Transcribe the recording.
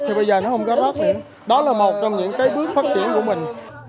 thì bây giờ nó không có rác nữa đó là một trong những bước phát triển của mình